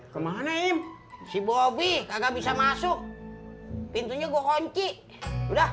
kemana im si bobby kagak bisa masuk pintunya gohonci udah